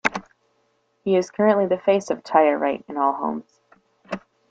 He is currently the face of Tyreright and Allhomes.